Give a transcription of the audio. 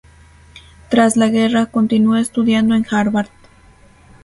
Tras la guerra continuó estudiando en Harvard.